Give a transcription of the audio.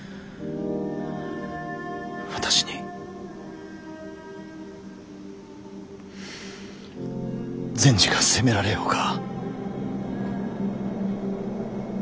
私に善児が責められようか。